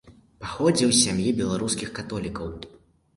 Паходзіў з сям'і беларускіх католікаў.